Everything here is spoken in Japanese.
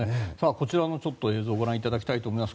こちらの映像をご覧いただきたいと思います。